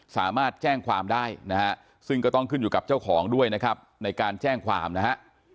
สามารถแจ้งความได้นะฮะซึ่งก็ต้องขึ้นอยู่กับเจ้าของด้วยนะครับในการแจ้งความนะฮะ